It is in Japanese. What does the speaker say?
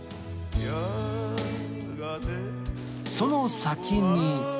その先に